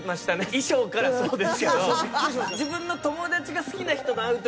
衣装からそうですけど。